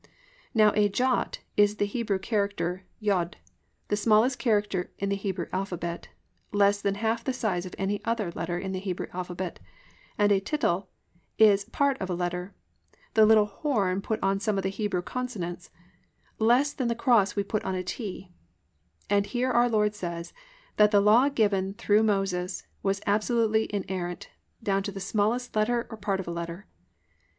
"+ Now a "jot" is the Hebrew character "yodh," the smallest character in the Hebrew alphabet, less than half the size of any other letter in the Hebrew alphabet, and a "tittle" is a part of a letter, the little horn put on some of the Hebrew consonants, less than the cross we put on a "t," and here our Lord says that the law given through Moses was absolutely inerrant, down to its smallest letter or part of a letter.